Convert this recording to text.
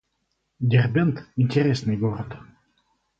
Дербент — интересный город